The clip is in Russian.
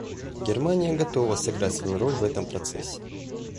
Германия готова сыграть свою роль в этом процессе.